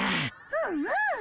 うんうん。